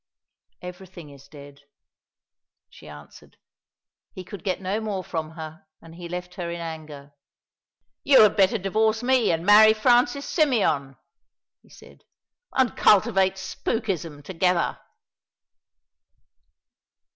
"Everything is dead," she answered. He could get no more from her, and he left her in anger. "You had better divorce me and marry Francis Symeon," he said, "and cultivate spookism together."